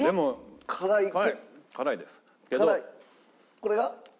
これが？